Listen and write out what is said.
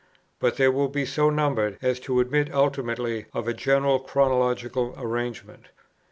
But they will be so numbered as to admit ultimately of a general chronological arrangement.